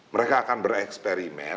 mereka akan bereksperimen